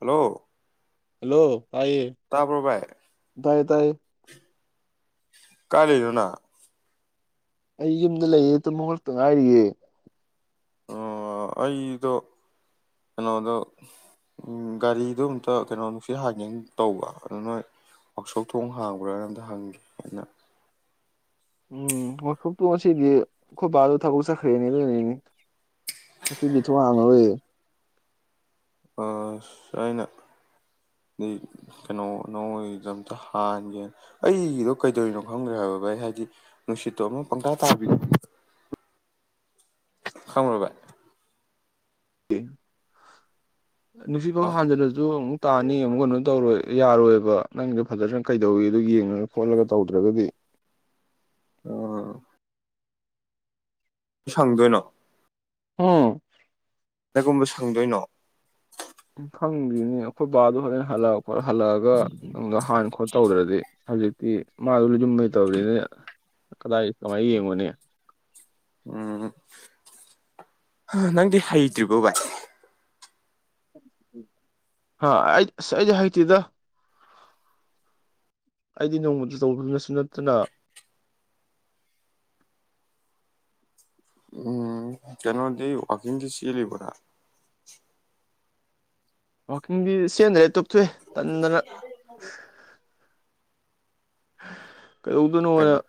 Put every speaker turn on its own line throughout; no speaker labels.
hello
hello ꯇꯥꯏꯌꯦ
ꯇꯥꯕ꯭ꯔꯣ ꯚꯥꯏ
ꯇꯥꯏꯌꯦ ꯇꯥꯏꯌꯦ
ꯀꯥꯏ ꯂꯩꯅ‌ꯣ ꯅꯪ
ꯑꯩ ꯌꯨꯝꯗ ꯂꯩꯌꯦ ꯇꯨꯝ ꯍꯧꯒꯠꯂꯛꯇ ꯉꯥꯏꯔꯤꯌꯦꯦ
ꯑꯣ ꯑꯩꯗꯣ ꯀꯩꯅꯣꯗꯣ ꯒꯥꯔꯤꯗꯣ ꯑꯝꯇ ꯀꯩꯅꯣ ꯅꯨꯡꯁꯤꯠ ꯍꯥꯟꯒꯦꯅ ꯇꯧꯕ ꯑꯗꯨ ꯅꯣꯏ ꯋꯥꯛꯁꯣꯞ ꯊꯣꯡ ꯍꯥꯡꯕ꯭ꯔꯥꯅ ꯑꯝꯇ ꯍꯪꯒꯦ ꯑꯅ
ꯎꯝ ꯋꯥꯀꯨꯞꯇꯨ ꯉꯁꯤꯗꯤ ꯑꯩꯈꯣꯏꯕꯥꯗꯣ ꯊꯕꯛ ꯆꯠꯈ꯭ꯔꯦꯅꯦ ꯥꯗꯨꯅꯅꯤꯅꯦ ꯉꯁꯤꯗꯤ ꯊꯣꯡ ꯍꯥꯡꯉꯔꯣꯏꯌ‌ꯦ
ꯑꯁ ꯑꯩꯅ ꯀꯩꯅꯣ ꯅ‌ꯣꯏꯗ ꯑꯝꯇ ꯍꯥꯟꯒꯦꯅ ꯑꯩꯒꯤꯗꯣ ꯀꯩꯗꯧꯔꯤꯅꯣ ꯈꯪꯗ꯭ꯔꯦ ꯍꯥꯏꯕ ꯚꯥꯏ ꯍꯥꯏꯗꯤ ꯅꯨꯡꯁꯤꯠꯇꯣ ꯑꯃ ꯄꯪꯇꯥ ꯇꯥꯕꯤꯗ ꯈꯪꯕꯔ ꯚꯥꯏ
ꯅꯨꯁꯤꯠ ꯐꯥꯎ
ꯍꯜꯂꯣ
ꯍꯥꯟꯖꯜꯂꯁꯨ ꯑꯃꯨꯛ ꯇꯥꯅꯤ ꯑꯃꯨꯛ ꯀꯩꯅꯣ ꯇꯧꯔꯣꯏ ꯌꯥꯔꯣꯏꯕ ꯅꯪꯗꯣ ꯐꯖꯅ ꯀꯩꯗꯧꯋꯤꯗ‌ꯣ ꯌꯦꯡꯉꯒ ꯈꯣꯠꯂꯒ ꯇꯧꯗ꯭ꯔꯒꯗꯤ
ꯑ ꯁꯪꯗꯣꯏꯅꯣ
ꯍꯨꯝ
ꯀꯨꯝꯕ ꯁꯪꯗꯣꯏꯅꯣ
ꯎꯝ ꯈꯪꯈꯤꯅꯤ ꯑꯩꯈꯣꯏ ꯕꯥꯗꯣ ꯍꯣꯔꯦꯟ ꯍꯜꯂꯛꯑ ꯈꯣꯠ ꯍꯜꯂꯛꯑꯒ ꯅꯨꯡꯗ ꯍꯥꯟꯅ ꯈꯣꯠ ꯇꯧꯗ꯭ꯔꯗꯤ ꯍꯧꯖꯤꯛꯇꯤ ꯃꯥꯖꯨ ꯌꯨꯝꯃꯩ ꯇꯧꯔꯤꯅꯦ ꯀꯗꯥꯏ ꯀꯃꯥꯏ ꯌꯦꯡꯉꯨꯅꯤ
ꯎꯝ ꯅꯪꯗꯤ ꯍꯩꯇ꯭ꯔꯤꯕꯣ ꯚꯏ
ꯍꯥ ꯑꯩ ꯑꯩꯗꯤ ꯍꯩꯇꯦꯗ ꯑꯩꯗꯤ ꯅꯣꯡꯃꯗ ꯇꯧꯕꯅꯠꯁꯨ ꯅꯠꯇꯅ
ꯎꯝ ꯀꯩꯅꯣꯗꯤ ꯋꯥꯀꯤꯡꯗꯤ ꯁꯦꯜꯂꯤꯕꫭ ꯅꯪ
ꯋꯥꯀꯤꯡꯗꯤ ꯁꯦꯟꯗ꯭ꯔꯦ [unintelligible] ꯊꫭꯛꯋꯦ ꯇꯟꯗꯅ [inaudible] ꯀꯩꯗꯧꯗꫭꯅꯣꯅ
ꯀꯩꯅꯣ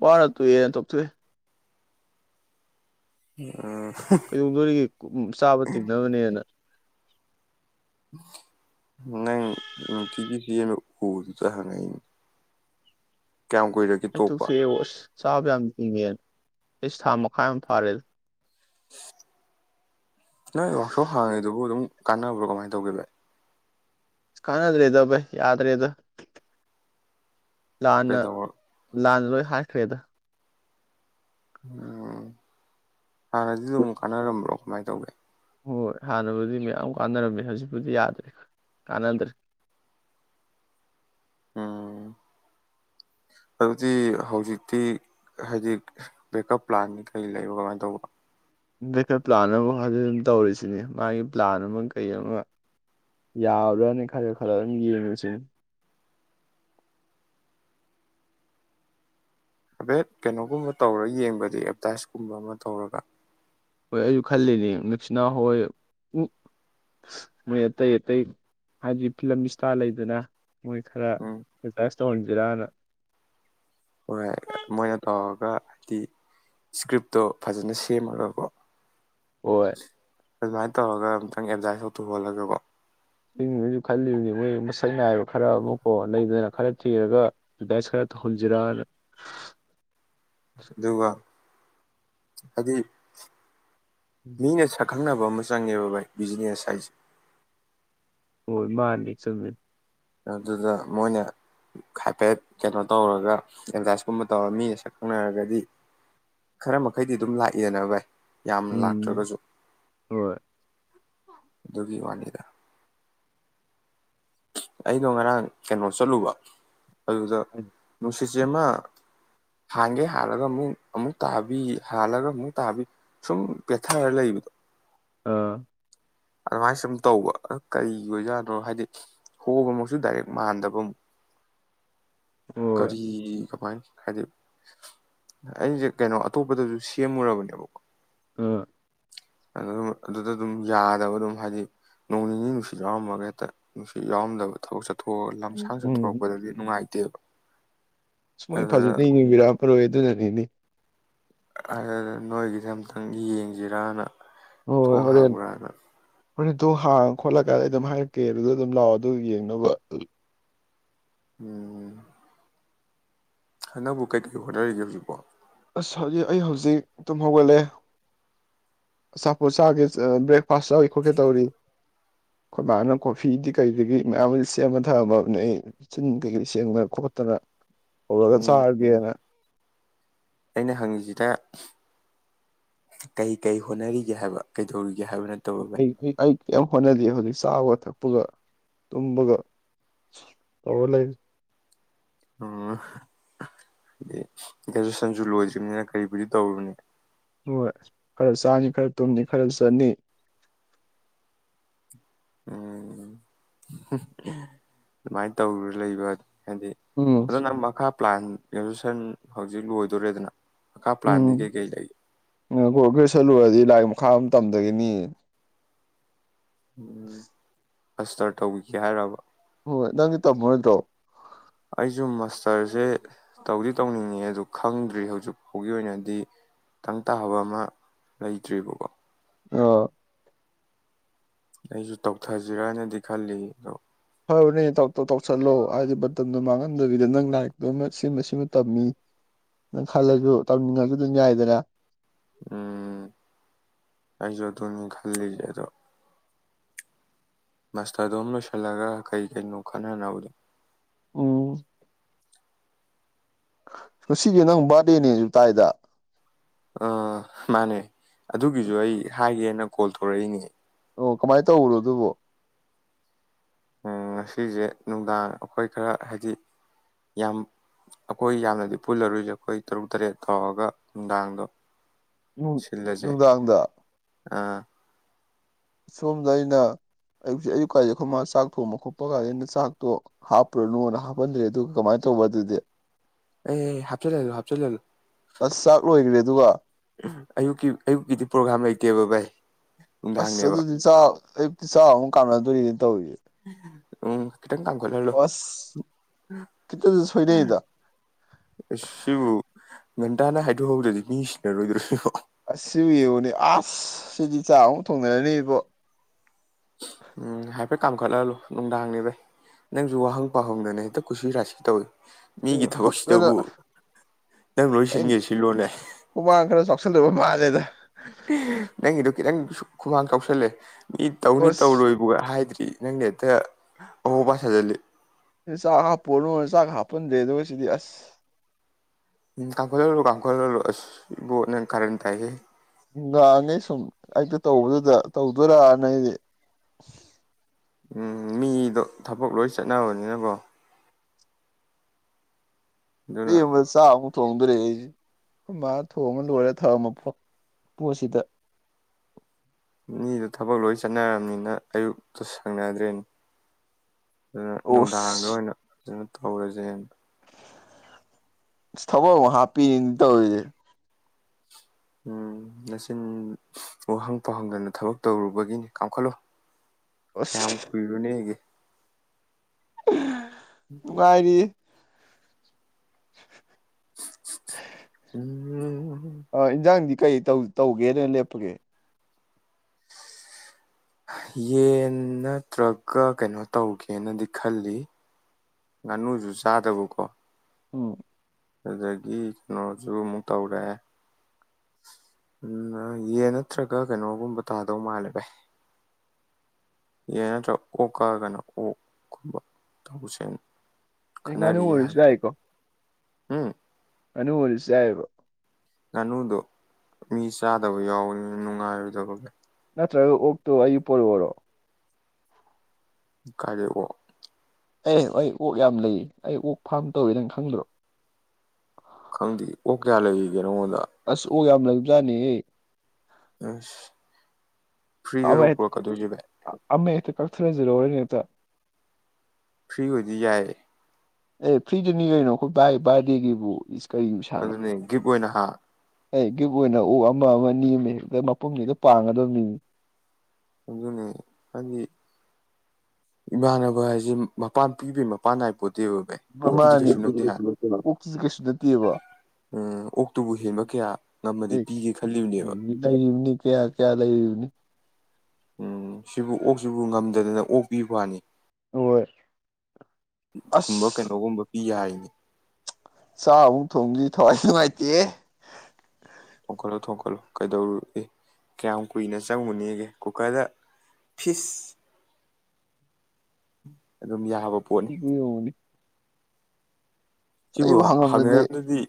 ꯚꯥꯔꯠ ꯇꯨꯋꯦꯅ ꯇꯣꯛ ꯊꫭꯛꯑꯦ
ꯎꯝ
ꯀꯩꯗꯧꯗꯣꯔꯤꯒꯦ ꯆꯥꯕ ꯇꯤꯡꯅꯕꯅꯦꯅ
ꯅꯪ ꯅꯨꯡꯇꯤꯒꯤ ꯁꯦꯟꯕ ꯑꯕꯗꯨꯗ ꯍꯡꯉꯛꯏꯅꯦ
ꯑꯩ ꯇꯣꯛꯊꯣꯛꯑꯦꯕꫭ ꯑꯁ ꯆꯥꯕ ꯌꯥꯝ ꯇꯤꯛꯉꯦꯅ ꯏꯁ ꯊꯥ ꯃꯈꯥꯏꯃꯨꯛ ꯐꯥꯔꯦꯗ
ꯅꯣꯏ ꯋꯥꯛꯁꯣꯛ ꯍꯥꯡꯉꯤꯗꯨꯕꯨ ꯑꯗꯨꯝ ꯀꯥꯟꯅꯕ꯭ꯔꯣ ꯀꯃꯥꯏꯅ ꯇꯧꯒꯦ ꯕꯥꯏ
ꯀꯥꯟꯅꯗ꯭ꯔꯦꯗ ꯕꯥꯏ ꯌꯥꯗ꯭ꯔꯦꯗ ꯂꯥꯟꯅ
ꯀꯩꯗꯧꯔ
ꯂꯥꯟꯅ ꯂꫭꯏ ꯍꯠꯈ꯭ꯔꯦꯗ
ꯎꯝ ꯍꯥꯟꯅꯗꯤ ꯑꯗꯨꯝ ꯀꯥꯟꯅꯔꯝꯕ꯭ꯔꯣ ꯀꯃꯥꯏꯅ ꯇꯧꯒꯦ
ꯍꯣꯏ ꯍꯣꯏ ꯍꯥꯟꯅꯕꯨꯗꯤ ꯃꯌꯥꯝ ꯀꯥꯟꯅꯔꯝꯃꯦ ꯍꯧꯖꯤꯛꯄꯨꯗꯤ ꯌꯥꯗ꯭ꯔꯦ ꯀꯥꯟꯅꯗ꯭ꯔꯦ
ꯎꯝ ꯑꯗꯨꯗꯤ ꯍꯧꯖꯤꯛꯇꯤ ꯍꯥꯏꯗꯤ ꯕꯦꯛꯀꯞ ꯄ꯭ꯂꯥꯟꯖꯤ ꯀꯔꯤ ꯂꯩꯕ ꯀꯃꯥꯏꯅ ꯇꯧꯕ
ꯕꯦꯀꯝ ꯄ꯭ꯂꯥꯟ ꯑꯕꯨ ꯍꯧꯖꯤꯛ ꯑꯗꯨꯝ ꯇꯧꯔꯤꯁꯤꯅꯦ ꯃꯥꯒꯤ ꯄ꯭ꯂꯥꯟ ꯑꯃ ꯀꯩ ꯑꯃ ꯌꯥꯕꯔ꯭ꯔꯅꯤ ꯈꯔ ꯈꯔ ꯑꯗꯨꯝ ꯌꯦꯡꯉꯨꯁꯤꯅꯤ
ꯍꯥꯏꯐꯦꯠ ꯀꯩꯅꯣꯒꯨꯝꯕ ꯇꯧꯔ ꯌꯦꯡꯕꯗꯤ ꯑꯦꯠꯚꯔꯇꯥꯏꯁꯀꯨꯝꯕ ꯑꯃ ꯇꯧꯔꯒ
ꯍꯣꯏ ꯑꯩꯁꯨ ꯈꯜꯂꯤꯅꯦ ꯃꯦꯛꯁꯤꯅ ꯍꯣꯏ ꯎ ꯃꯣꯏ ꯑꯇꯩ ꯑꯇꯩ ꯍꯥꯏꯗꯤ ꯐꯤꯂꯝ ꯏꯁꯇꯥꯔ ꯂꯩꯗꯅ ꯃꯣꯏ ꯈꯔ
ꯎꯝ
ꯑꯦꯗꯕ꯭ꯔꯗꯥꯏꯁ ꯇꯧꯍꯟꯁꯤꯔꯅ
ꯍꯣꯏ ꯃꯣꯏꯅ ꯇꯧꯔꯒ ꯍꯥꯏꯗꯤ ꯏꯁꯀ꯭ꯔꯤꯞꯇꯣ ꯐꯖꯅ ꯁꯦꯝꯃꯒꯀꯣ
ꯍꯣꯏ
ꯑꯗꯨꯃꯥꯏꯅ ꯇꯧꯔꯒ ꯑꯃꯨꯛꯇꯪ ꯑꯦꯗꯚꯔꯗꯥꯏꯁ ꯇꯧꯊꯣꯛꯍꯣꯜꯂꯒꯀꯣ
ꯆꯤꯡ ꯃꯣꯏꯁꯨ ꯈꯜꯂꯤꯕꯅꯤ ꯃꯣꯏ ꯃꯁꯛ ꯅꯥꯏꯕ ꯈꯔ ꯑꯃꯨꯛꯀꯣ ꯂꯩꯗꯅ ꯈꯔ ꯊꯤꯔꯒ ꯑꯦꯚꯔꯗꯥꯏꯁ ꯈꯔ ꯇꯧꯍꯟꯁꯤꯔꯅ
ꯑꯗꯨꯒ ꯑꯗꯤ ꯃꯤꯅ ꯁꯛ ꯈꯪꯅꯕ ꯑꯃ ꯆꯪꯉꯦꯕ ꯚꯥꯏ ꯕꯤꯖꯤꯅꯦꯁ ꯍꯥꯏꯁꯦ
ꯍꯣꯏ ꯃꯥꯅꯦ ꯆꯨꯝꯃꯤ
ꯑꯗꯨꯗ ꯃꯣꯏꯅ ꯍꯥꯏꯐꯦꯠ ꯀꯩꯅꯣ ꯇꯧꯔꯒ ꯑꯦꯗꯚꯔꯇꯥꯏꯁꯀꯨꯝꯕ ꯇꯧꯔꯒ ꯃꯤꯅ ꯁꯛ ꯈꯪꯅꯔꯒꯗꯤ ꯈꯔ ꯃꯈꯩꯗꯤ ꯑꯗꯨꯝ ꯂꯥꯛꯏꯅ ꯚꯥꯏ ꯌꯥꯝ
ꯎꯝ
ꯂꯥꯛꯇ꯭ꯔꯒꯁꯨ
ꯍꯣꯏ
ꯑꯗꯨꯒꯤ ꯋꯥꯅꯤꯗ ꯑꯩꯗꯣ ꯉꯔꯥꯡ ꯀꯩꯅꯣ ꯆꯠꯂꯨꯕ ꯑꯗꯨꯗ ꯅꯨꯡꯁꯤꯠ ꯏꯆꯦ ꯑꯃ ꯍꯥꯟꯒꯩ ꯍꯥꯜꯂꯒ ꯑꯃꯨꯛ ꯑꯃꯨꯛ ꯇꯥꯕꯤ ꯍꯥꯜꯂꯒ ꯑꯃꯨꯛ ꯇꯥꯕꯤ ꯁꯨꯝ ꯄꯦꯠꯊꯔ ꯂꯩꯕꯗꯣ
ꯑꯥ
ꯑꯗꯨꯃꯥꯏꯅ ꯁꯨꯝ ꯇꯧꯕ ꯀꯔꯤꯒꯤ ꯑꯣꯏꯖꯥꯠꯅꯣ ꯍꯥꯏꯗꯤ ꯍꯣꯕꯃꯛꯁꯨ ꯗꯥꯏꯔꯦꯛ ꯃꯥꯟꯗꯕ ꯑꯃꯨꯛ
ꯍꯣꯏ
ꯀꯔꯤ ꯀꯕꯥꯥꯏ ꯍꯥꯏꯗꯤ ꯑꯩꯖꯦ ꯀꯩꯅꯣ ꯑꯇꯣꯞꯄꯗꯖꯨ ꯁꯦꯝꯃꯨꯔꯕꯅꯦꯕꯀꯣ
ꯑꯥ
ꯑꯗꯨ ꯑꯗꯨꯗ ꯑꯗꯨꯝ ꯌꯥꯗꯕ ꯑꯗꯨꯝ ꯍꯥꯏꯗꯤ ꯅꯣꯡ ꯅꯤꯅꯤ ꯅꯨꯡꯁꯤꯠ ꯌꯥꯎꯔꯃꯒ ꯍꯦꯛꯇ ꯅꯨꯡꯁꯤꯠ ꯌꯥꯎꯔꯝꯗꯕ ꯊꯕꯛ ꯆꯠꯄ ꯊꯣꯛꯑ ꯂꯝꯁꯥꯡ ꯆꯠꯊꯣꯔꯛꯄꯗꯗꯤ ꯅꯨꯡꯉꯥꯏꯇꯦꯕ
ꯁꯃꯣꯏ ꯐꯥꯖꯕꯤꯔꯥꯝ ꯐꯔꯣꯏ ꯑꯗꯨꯅꯅꯤꯅꯤ
ꯑꯗꯨꯗ ꯅꯣꯏꯒꯤꯁꯦ ꯑꯝꯇꯪ ꯌꯦꯡꯖꯤꯔꯅ
ꯍꯣꯏ ꯍꯣꯏ
ꯊꯣꯡ ꯍꯥꯡꯕ꯭ꯔꯥꯅ
ꯍꯣꯔꯦꯟ ꯊꯣ ꯍꯥꯡꯉ ꯈꯣꯠꯂꯀꯥꯟꯗ ꯑꯩ ꯑꯗꯨꯝ ꯍꯥꯏꯔꯛꯀꯦ ꯑꯗꯨꯗ ꯑꯗꯨꯝ ꯂꯥꯛꯑꯣ ꯑꯗꯨ ꯌꯦꯡꯅꯕ
ꯎꯝ ꯑꯅꯧꯕ ꯀꯩꯀꯩ ꯍꯣꯠꯅꯔꯤꯒꯦ ꯍꯧꯖꯤꯛꯄꯣ
ꯑꯁ ꯍꯧꯖꯤꯛ ꯑꯩ ꯍꯧꯖꯤꯛ ꯇꯨꯝ ꯍꯧꯒꯠꯂꯦ ꯑꯆꯥꯄꯣꯠ ꯆꯥꯒꯦ ꯑ ꯕꯔꯦꯛ ꯐꯥꯔꯁ ꯆꯥꯎꯒꯦꯈꯣꯠꯀꯦ ꯇꯧꯔꯤ ꯈꯣꯏ ꯃꯥꯅ ꯀꯣꯐꯤꯗꯤ ꯀꯩꯗꯒꯤ ꯃꯌꯥꯝ ꯁꯦꯝꯃ ꯊꯝꯃꯕꯅꯦ ꯑꯩ ꯆꯤꯟ ꯀꯩꯀꯩ ꯁꯦꯡꯗꯅ ꯈꯣꯠꯇꯅ ꯍꯧꯔꯒ
ꯎꯝ ꯎꯝ
ꯆꯥꯔꯒꯦꯅ
ꯑꯩꯅ ꯍꯪꯉꯤꯖꯤꯗ ꯀꯩ ꯀꯩ ꯍꯣꯠꯅꯔꯤꯒꯦ ꯍꯥꯏꯕ ꯀꯩꯗꯧꯔꯤ
ꯑꯩ ꯑꯩ ꯀꯩꯝ ꯍꯣꯠꯅꯗꯤꯌꯦ ꯍꯧꯖꯤꯛ ꯆꯥꯕ ꯊꯛꯄꯒ ꯇꯨꯝꯕꯒ ꯇꯧꯔ ꯂꯩꯔꯤ
ꯎꯝ ꯒ꯭ꯔꯦꯖꯨꯁꯟꯖꯨ ꯂꯣꯏꯗ꯭ꯔꯤꯝꯅꯤꯅ ꯀꯔꯤꯕꯨꯗꯤ ꯇꯧꯔꯨꯅꯤ
ꯍꯣꯏ ꯈꯔ ꯆꯥꯅꯤ ꯈꯔ ꯇꯨꯝꯅꯤ ꯈꯔ ꯆꯠꯅꯤ
ꯎꯝ ꯑꯗꯨꯃꯥꯏꯅ ꯇꯧꯔ ꯂꯩꯕ ꯍꯥꯏꯗꯤ
ꯎꯝ
ꯑꯗꯣ ꯅꯪ ꯃꯈꯥ ꯄ꯭ꯂꯥꯟ ꯒ꯭ꯔꯦꯖꯨꯁꯟ ꯍꯧꯖꯤꯛ ꯂꯣꯏꯗꯣꯔꯦꯗꯅ ꯃꯈꯥ ꯄ꯭ꯂꯥꯟꯗꯤ ꯀꯩ ꯀꯩ ꯂꯩꯏꯒꯦ
ꯎ ꯀꯣꯏ ꯈꯔ ꯁꯠꯂꯨꯔꯨꯔꯗꯤ ꯂꯥꯏꯔꯤꯛ ꯃꯈꯥ ꯑꯃ ꯇꯝꯗꯒꯤꯅꯤ
ꯎꯝ ꯑꯁꯇꯔ ꯇꯧꯕꯤꯒꯦ ꯍꯥꯏꯔꯕ
ꯍꯣꯏ ꯅꯪꯗꯤ ꯇꯝꯃꯣꯏꯗ꯭ꯔꯣ
ꯑꯩ ꯁꯨꯝ ꯃꯥꯁꯇꯔꯁꯦ ꯇꯧꯗꯤ ꯇꯧꯅꯤꯡꯉꯦ ꯑꯗꯨ ꯈꯪꯗ꯭ꯔꯤ ꯍꯧꯖꯤꯛ ꯐꯥꯎꯒꯤ ꯑꯣꯏꯅꯗꯤ ꯇꯪꯇꯥꯥꯕ ꯑꯃ ꯂꯩꯇ꯭ꯔꯤꯕꯀꯣ
ꯑꯣ
ꯑꯩꯁꯨ ꯇꯧꯊꯁꯤꯔꯅꯗꯤ ꯈꯜꯂꯤ ꯑꯗꯣ
ꯍꯣꯏ ꯍꯣꯏꯅꯦ ꯇꯧꯁꯤꯜꯠꯂꯣ ꯍꯥꯏꯗꯤ ꯕꯇꯟꯗꯣ ꯃꯥꯡꯍꯟꯗꯕꯤꯗ ꯅꯪ ꯂꯥꯏꯔꯤꯛꯇꯨ ꯁꯤꯃ ꯁꯤꯃ ꯇꯝꯃꯤ ꯅꯪ ꯈꯜꯂꯁꯨ ꯇꯝꯅꯤꯡꯉꯁꯨ ꯑꯗꯨꯝ ꯌꯥꯏꯗꯅ
ꯎꯝ ꯑꯩꯁꯨ ꯑꯗꯨꯅꯤ ꯈꯜꯂꯤꯔꯤ ꯑꯗꯣ ꯃꯥꯁꯇꯔꯗꯣꯝ ꯂꯣꯏꯁꯤꯜꯂꯒ ꯀꯩ ꯀꯩꯅꯣ ꯈꯟꯅꯅꯕꯗꯣ
ꯎ ꯉꯁꯤꯒꯤ ꯅꯪ ꯕꯥꯔꯗꯦꯅꯦꯁꯨ ꯇꯥꯏꯗ
ꯑ ꯃꯥꯅꯦ ꯑꯗꯨꯒꯤꯁꯨ ꯑꯩ ꯍꯥꯏꯒꯦꯅ ꯀꯣꯜ ꯇꯧꯔꯛꯏꯅꯦ
ꯑꯣ ꯀꯃꯥꯏꯅ ꯇꯧꯕꯅꯣ ꯑꯗꯨꯕꯨ
ꯉꯁꯤꯁꯦ ꯅꯨꯡꯗꯥꯡ ꯑꯩꯈꯣꯏ ꯈꯔ ꯍꯥꯏꯗꯤ ꯌꯥꯝ ꯑꯩꯈꯣꯏ ꯌꯥꯝꯅꯗꯤ ꯄꯨꯜꯂꯔꯨꯁꯦ ꯑꯩꯈꯣꯏ ꯇꯔꯨꯛ ꯇꯔꯦꯠ ꯇꯧꯔꯒ ꯅꯨꯡꯗꯥꯡꯗꯣ
ꯅꯨꯡ
ꯁꯤꯜꯂꯁꯦ
ꯅꯨꯡꯗꯥꯡꯗ
ꯑꯥ
ꯁꯣꯝꯗ ꯑꯩꯅ ꯑꯌꯨꯛꯁꯦ ꯑꯌꯨꯛꯀꯥꯏꯗ ꯑꯩꯈꯣꯏ ꯃꯥ ꯆꯥꯛ ꯊꯣꯡꯕ ꯈꯣꯠꯄ ꯀꯥꯟꯗ ꯑꯩꯅ ꯆꯥꯛꯇꯣ ꯍꯥꯞꯄ꯭ꯔꯅꯣꯅ ꯍꯥꯞꯍꯟꯗ꯭ꯔꯦ ꯑꯗꯨꯒ ꯀꯃꯥꯏꯅ ꯇꯧꯕ ꯑꯗꯨꯗꯤ
ꯑꯦ ꯍꯥꯞꯆꯜꯂ ꯍꯥꯞꯆꯜꯜꯂꯨ
ꯑꯁ ꯆꯥꯛ ꯂꯣꯏꯈ꯭ꯔꯦ ꯑꯗꯨꯒ
ꯑꯌꯨꯛꯀꯤ ꯑꯌꯨꯛꯀꯤꯗꯤ ꯄ꯭ꯔꯣꯒꯥꯝ ꯂꯩꯇꯦꯕ ꯚꯥꯏ
ꯑꯁ
ꯅꯨꯡꯗꯥꯡꯅꯦꯕ
ꯑꯗꯨꯗꯤ ꯆ ꯑꯩ ꯄꯤꯁꯣꯨ ꯀꯥꯔꯥꯗꯔꯤ ꯇꯧꯋꯤ
ꯑꯣ ꯀꯈꯤꯇꯪ ꯀꯥꯡ
ꯈꯤꯇꯁꯨ ꯁꯣꯏꯅꯩꯗ
ꯀꯣꯂꯂꯣꯁꯤ ꯉꯒꯟꯇꯥꯅ ꯍꯥꯏꯗꯣꯛꯍꯧꯗ꯭ꯔꯗꯤ ꯃꯤ ꯁꯤꯖꯤꯟꯅꯔꯣꯏꯗꯣꯣꯏꯕꯣ
ꯑꯁ ꯌꯦꯡꯉꯨꯅꯦ ꯑꯁ ꯁꯤꯗꯤ ꯆꯥꯛ ꯑꯃꯨꯛ ꯊꯣꯡꯅꯔꯅꯤ ꯏꯕꯣ
ꯍꯣꯏ ꯀꯥꯝꯈꯠꯍꯜꯂꯨ ꯅꯨꯡꯗꯥꯡꯅꯤꯚꯩ ꯅꯪꯁꯨ ꯋꯥꯍꯪ ꯄꯥꯍꯪꯗꯅꯦ ꯍꯦꯛꯇ ꯀꯨꯁꯤ ꯔꯁꯤ ꯇꯧꯏꯤ
ꯑꯩ ꯀꯩꯅꯣ ꯑ
ꯅꯪ ꯂꯣꯏ ꯁꯤꯟꯒꯦ ꯁꯤꯜꯂꯣꯅꯦ
ꯍꯨꯃꯥꯡ ꯈꯔ ꯆꯥꯎꯁꯜꯂꯕ ꯃꯥꯜꯂꯦꯗ [inaudible]
ꯅꯪ ꯏꯗꯨ ꯀꯗꯪ ꯈꯨꯃꯥꯡ ꯆꯥꯎꯁꯜꯂꯦ ꯃꯤ ꯇꯧꯅꯤ
ꯑꯁ
ꯇꯧꯔꯣꯏꯕꯒ ꯍꯥꯏꯗ꯭ꯔꯤ ꯅꯪꯒꯇꯩ ꯑꯣꯚꯥꯁꯜꯂꯤ
ꯍ ꯁꯥꯒ ꯍꯥ ꯄꯔ ꯆ ꯍꯥꯄꯟ ꯗꯦꯗꯧꯁꯤꯗꯤ ꯑꯁ
ꯎꯝ ꯀ ꯀꯥꯡꯈ ꯀ ꯀꯥꯡꯈ ꯂ ꯀꯔꯦꯟ ꯇꯥꯏ
ꯉꯥꯡꯉꯦ ꯁꯨꯝ ꯑꯛꯇ ꯇꯧꯕꯗꯨꯗ ꯇꯧꯗꯣꯏꯔꯅ ꯑꯩꯗꯤ
ꯎꯝ ꯃꯤꯗꯣ ꯊꯕꯛ ꯂꯣꯏ ꯆꯠꯅꯕꯅꯤꯅꯀꯣ
ꯂꯩ
ꯑꯗꯨꯅ
ꯊꯥꯎ ꯁꯦꯣꯏ ꯃꯥ ꯊꯣꯡꯉ ꯂꯣꯏꯔ ꯊꯧꯔꯝꯃ ꯄꯣꯠꯁꯤꯗ
ꯃꯤꯗꯨꯣ ꯊꯕꯛ ꯂꯣꯏ ꯆꯠꯅꯔꯕꯅꯤꯅ ꯑꯌꯨꯛꯇ ꯁꯪꯅꯗ꯭ꯔꯦꯅꯤ ꯑꯗꯨꯅ ꯅꯨꯡꯗꯥꯡꯗ
ꯑꯣꯁ
ꯑꯣꯏꯅ ꯁꯤꯅ ꯇꯧꯔꯁꯦ
ꯊꯕ ꯍꯥꯄꯤꯤꯗ ꯑꯣꯏꯗꯦ
ꯎꯝ ꯅꯆꯤꯟ ꯋꯥꯍꯪ ꯄꯥꯎꯍꯪꯗꯅ ꯊꯕꯛ ꯇꯧꯔꯨꯕꯒꯤꯅꯤ ꯀꯥꯝꯈꯠꯂꯨ ꯀꯃ
ꯑꯁ
ꯀꯔꯨꯅꯦꯒꯦ
ꯑ ꯒꯥꯏꯔꯤ [unintelligible]
ꯎꯝ
ꯑ ꯏꯟꯖꯥꯡ ꯀꯩ ꯇꯧꯒꯦꯅ ꯂꯦꯞꯄꯒꯦ
ꯌꯦꯟ ꯅꯠꯇ꯭ꯔꯒ ꯀꯩꯅꯣ ꯇꯧꯒꯦꯅꯗꯤ ꯈꯜꯂꯤ ꯉꯥꯅꯨꯁꯨ ꯆꯥꯗꯕꯀꯣ
ꯎ
ꯑꯗꯨꯗꯒꯤ ꯀꯩꯅꯣꯁꯨ ꯑꯃꯨꯛ ꯇꯧꯔꯦ ꯎꯝ ꯌꯦ ꯅꯠꯇ꯭ꯔꯒ ꯀꯩꯅꯣꯒꯨꯝꯕ ꯇꯥꯗꯧ ꯃꯥꯜꯂꯦ ꯚꯥꯏ ꯌꯦ ꯅꯠꯇ꯭ꯔꯒ ꯑꯣꯛ ꯀꯛꯔꯒꯅ ꯑꯣꯒꯨꯝꯕ ꯇꯧꯁꯦꯅꯤ
ꯑꯦꯉꯅ ꯑꯣꯔꯖꯒꯏꯀꯣ
ꯎꯝ
ꯑꯅꯃꯣꯂꯤꯁꯑꯕ
ꯉꯥꯅꯨꯗꯣ ꯃꯤ ꯆꯥꯗꯕ ꯌꯥꯎꯋꯅꯤꯅ ꯅꯨꯡꯉꯥꯏꯔꯣꯏꯗꯕꯒ
ꯅꯠꯇ꯭ꯔꯒ ꯑꯣꯛꯇꯣ ꯑꯩ ꯄꯂꯛꯑꯣꯔꯣ
ꯀꯗꯀꯣ
ꯑꯦ ꯑꯩ ꯑꯣꯛ ꯌꯥꯝ ꯂꯩ ꯑꯩ ꯑꯣꯛ ꯐꯥꯝ ꯇꯧꯋꯤ ꯅꯪ ꯈꯪꯗꯨꯔꯣ
ꯈꯪꯗ ꯑꯣ ꯀꯌꯥ ꯂꯩꯒ ꯅꯣꯡꯅ
ꯑꯣ ꯌꯥꯝ ꯂꯩꯖꯥꯠꯅꯤ
ꯑ
ꯍꯋꯥꯏ ꯑꯃꯦ ꯀꯛꯊꯖꯂ ꯑꯣꯏꯔꯅꯤ
ꯐ꯭ꯔꯤ ꯑꯣꯏꯗꯤ ꯌꯥꯏ
ꯑꯦ ꯐ꯭ꯔꯤꯗꯨꯅꯤꯉꯅꯈꯣꯏ ꯏ ꯕꯥꯗꯤꯦꯒꯤꯈꯤꯕꯕꯨ
ꯑꯗꯨꯅꯤ ꯒꯤꯞ ꯑꯣꯏꯅ ꯍꯥ
ꯑꯩ ꯒꯤꯞ ꯑꯣꯏꯅ ꯑꯣꯛ ꯑꯃ ꯅꯤ ꯑꯃ ꯃꯄꯨꯝꯁꯤꯗ ꯄꯥꯡꯒꯗꯕꯅꯤꯅꯤ
ꯑꯗꯨꯅꯦ ꯍꯥꯏꯗꯤ ꯏꯃꯥꯟꯅꯕ ꯍꯥꯏꯁꯦ ꯃꯄꯥꯟ ꯄꯤꯕꯩ ꯃꯄꯥꯟ ꯏꯕ
ꯃꯃꯥꯅꯤ ꯀꯣꯛꯁꯤ ꯀꯩꯁꯨ ꯅꯠꯇꯦꯕ
ꯎꯝ ꯑꯣꯛꯇꯨꯕꯨ ꯍꯦꯟꯕ ꯀꯌꯥ ꯉꯝꯃꯗꯤ ꯄꯤꯒꯦ ꯈꯜꯂꯤꯕꯅꯦꯕ
ꯎ ꯂꯩꯔꯤꯕꯅꯤ ꯀꯌꯥ ꯀꯌꯥ ꯂꯩꯔꯤꯕꯅꯤ
ꯎꯝ ꯁꯤꯕꯨ ꯑꯣꯛꯁꯤꯕꯨ ꯉꯝꯗꯗꯅ ꯑꯣꯛꯄꯤꯕ ꯋꯥꯅꯤ
ꯍꯣꯏ ꯑꯁ
ꯀꯨꯝꯕ ꯀꯩꯅꯣꯒꯨꯝꯕ ꯄ ꯌꯥꯏꯅꯤ
ꯆꯥꯛ ꯑꯃꯨꯛ ꯊꯣꯡꯕꯗꯤ ꯊꯋꯥꯏ ꯅꯨꯡꯉꯥꯏꯇꯦ
ꯊꯣꯡꯀꯠꯂꯣ ꯊꯣꯡꯀꯠꯂꯣ ꯀꯩꯗꯧꯔꯨ ꯀꯌꯥꯝ ꯀꯨꯏꯅ ꯆꯪꯉꯨꯅꯤꯒꯦ ꯀꯨꯀꯔꯗ ꯐꯤꯁ ꯑꯗꯨꯝ ꯌꯥ
ꯑꯣꯅꯤ
ꯁꯤꯤ
ꯍꯪꯉꯝꯗꯗꯤ
ꯄꯔꯗꯤ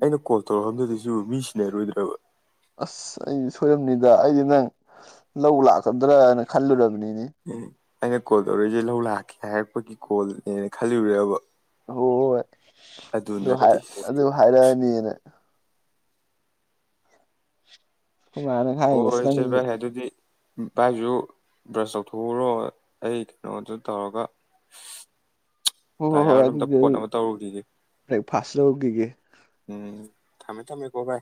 ꯑꯩꯅ ꯀꯣꯜ ꯇꯧꯔꯛꯑꯗꯨꯗꯤꯁꯨ ꯃꯤ ꯁꯤꯅꯦꯔꯣꯏꯗ꯭ꯔꯕ
ꯑꯁ ꯑꯩꯗꯤ ꯁꯣꯏꯔꯔꯕꯅꯤꯗ ꯑꯩꯗꯤ ꯅꯪ ꯂꯧ ꯂꯥꯛꯀꯗ꯭ꯔꯥꯅ ꯈꯜꯂꯨꯔꯕꯅꯤ
ꯎꯝ ꯑꯩꯅ ꯀꯣꯜ ꯇꯧꯔꯛꯏꯁꯦ ꯂꯧ ꯂꯥꯛꯀꯦ ꯍꯥꯏꯔꯛꯄꯒꯤ ꯀꯣꯜꯅꯦꯅ ꯈꯜꯂꯨꯔꯦꯕ
ꯑꯣ ꯑꯗꯨ ꯍꯥꯏ
ꯅꯠꯇꯦ
ꯑꯗꯨ ꯍꯥꯏꯔꯛꯑꯅꯤꯅꯦ ꯃꯥꯅ ꯍꯥꯏꯥꯏꯅꯤꯁꯤ
ꯍꯣꯏ
ꯅꯪ
ꯏꯆꯦ ꯚꯥꯏ ꯑꯗꯨꯗꯤ ꯚꯥꯏꯁꯨ ꯕ꯭ꯔꯁ ꯇꯧꯊꯣꯛꯎꯔꯣ ꯑꯩ ꯀꯩꯅꯣꯗ ꯇꯧꯔꯒ
ꯍꯣꯏ ꯍꯣꯏ ꯍꯣꯏ
ꯇꯌꯥꯔꯗꯨꯣꯝꯇ ꯐꯣꯠ ꯑꯃ ꯇꯧꯔꯨꯁꯤꯗꯤ
ꯁ꯭ꯂꯧꯒꯤꯒꯤ
ꯎꯝ ꯊꯝꯃꯦ ꯊꯝꯃꯦ ꯀꯣꯚꯥꯏ